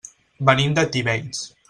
Venim de Tivenys.